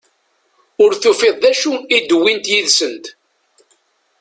Ur tufiḍ d acu i d-uwint yid-sent.